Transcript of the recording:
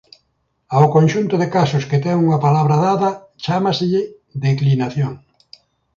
Ao conxunto de casos que ten unha palabra dada chámaselle declinación.